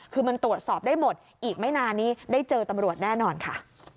คือมันตรวจสอบได้หมดอีกไม่นานนี้ได้เจอตำรวจแน่นอนค่ะ